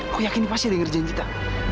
aku yakin ini pasti ada yang ngerjain kita